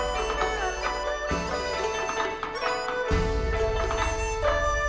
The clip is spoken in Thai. จนกว่าผมจะหมดกำลังที่ผมจะสืบสารการแสดงชอบสิงโตมังกร